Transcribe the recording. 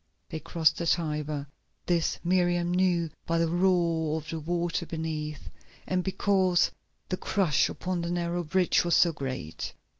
They crossed the Tiber. This Miriam knew by the roar of the water beneath, and because the crush upon the narrow bridge was so great.